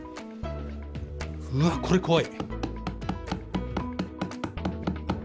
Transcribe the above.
うわっこれ怖い。